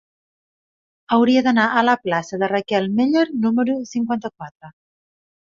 Hauria d'anar a la plaça de Raquel Meller número cinquanta-quatre.